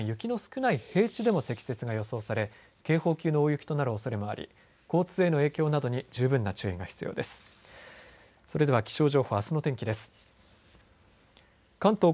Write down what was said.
東京２３区など、ふだん雪の少ない平地でも積雪が予想され警報級の大雪となるおそれがあり交通への影響などに十分な注意が必要です。